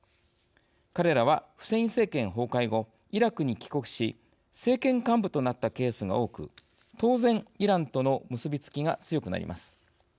彼らは、フセイン政権崩壊後イラクに帰国し政権幹部となったケースが多く当然、イランとの結び付きが強くなります。